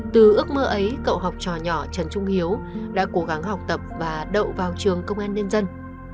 từ ước mơ ấy cậu học trò nhỏ trần trung hiếu đã cố gắng học tập và đậu vào trường công an nhân dân